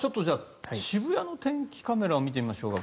渋谷の天気カメラを見てみましょうか。